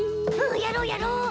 やろうやろう。